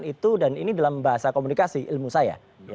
itu dan ini dalam bahasa komunikasi ilmu saya